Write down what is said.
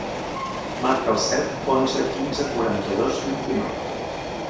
Marca el set, onze, quinze, quaranta-dos, vint-i-nou.